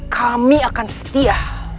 kami akan setia